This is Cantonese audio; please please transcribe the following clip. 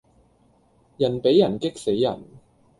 人比人激死人